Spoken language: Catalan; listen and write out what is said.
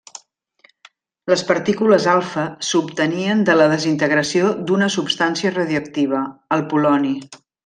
Les partícules alfa s'obtenien de la desintegració d'una substància radioactiva, el poloni.